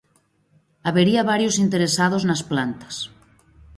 Habería varios interesados nas plantas.